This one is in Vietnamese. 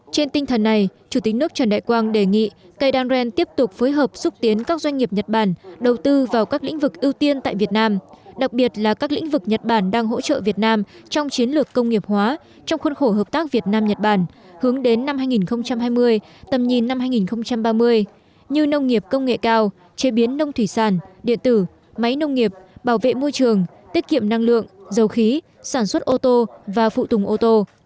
trên tinh thần này chủ tịch nước trần đại quang đề nghị keidanren tiếp tục phối hợp xúc tiến các doanh nghiệp nhật bản đầu tư vào các lĩnh vực ưu tiên tại việt nam đặc biệt là các lĩnh vực nhật bản đang hỗ trợ việt nam trong chiến lược công nghiệp hóa trong khuôn khổ hợp tác việt nam nhật bản hướng đến năm hai nghìn hai mươi tầm nhìn năm hai nghìn ba mươi như nông nghiệp công nghệ cao chế biến nông thủy sản điện tử máy nông nghiệp bảo vệ môi trường tiết kiệm năng lượng dầu khí sản xuất ô tô và phụ tùng ô tô